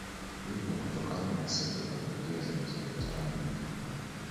Hii ni kutokana na sifa za pekee zinazopatikana mji huu